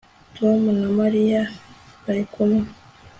Tom na Mariya barikumwe